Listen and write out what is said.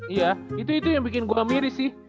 iya itu itu yang bikin gua miris sih